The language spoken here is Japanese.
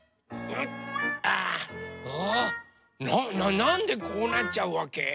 なんでこうなっちゃうわけ？